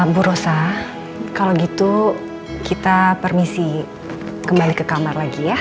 bu rosa kalau gitu kita permisi kembali ke kamar lagi ya